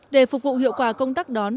để phục vụ hiệu quả công tác đón